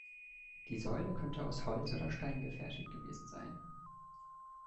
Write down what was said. Die Säule könnte aus Holz oder Stein gefertigt gewesen sein.